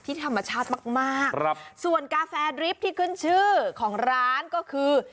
ที่ธรรมชาติมากส่วนกาแฟดริบที่ขึ้นชื่อของร้านก็คือ